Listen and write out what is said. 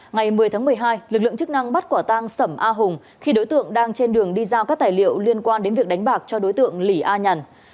ngày một mươi tháng một mươi hai lực lượng chức năng bắt quả tang sẩm a hùng khi đối tượng đang trên đường đi giao các tài liệu liên quan đến việc đánh bạc cho đối tượng lý a nhàn